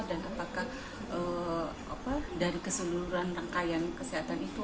dan apakah dari keseluruhan rangkaian kesehatan itu